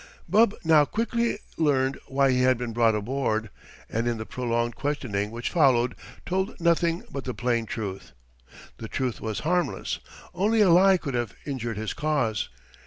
Bub now quickly learned why he had been brought aboard, and in the prolonged questioning which followed, told nothing but the plain truth. The truth was harmless; only a lie could have injured his cause.